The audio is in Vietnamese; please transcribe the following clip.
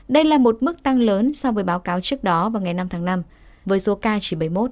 đây là một mức tăng lớn so với báo cáo trước đó vào ngày năm tháng năm với số ca chỉ bảy mươi một